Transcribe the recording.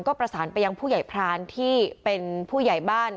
ก็ประสานไปยังผู้ใหญ่พรานที่เป็นผู้ใหญ่บ้าน